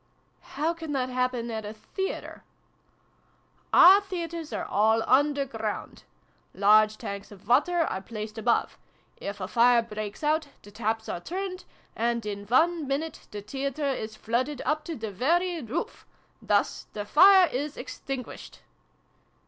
"How can that happen at a theatre ?" "Our theatres are all underground. Large tanks of water are placed above. If a fire breaks out, the taps are turned, and in one minute the theatre is flooded, up to the very roof! Thus the fire is extinguished."